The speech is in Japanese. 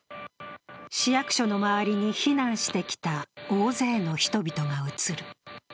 市役所の周りに避難してきた大勢の人々が映る。